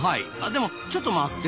でもちょっと待って。